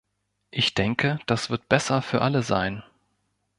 Ich denke, das wird besser für alle sein.